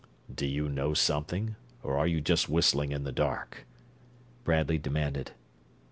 "Do you know something, or are you just whistling in the dark?" Bradley demanded.